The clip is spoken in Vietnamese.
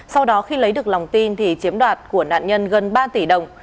sau đó khi lấy được lòng tin thì chiếm đoạt của nạn nhân gần ba tỷ đồng